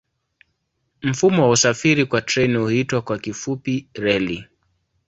Mfumo wa usafiri kwa treni huitwa kwa kifupi reli.